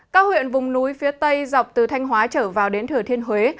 các huyện vùng núi phía tây dọc từ thanh hóa trở vào đến thừa thiên huế